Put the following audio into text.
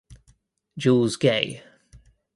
Jules Gay.